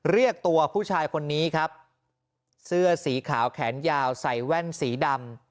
เรียกตัวผู้ชายคนนี้ครับเสื้อสีขาวแขนยาวใส่แว่นสีดำ